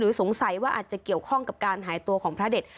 สงสัยว่าอาจจะเกี่ยวข้องกับการหายตัวของพระเด็ด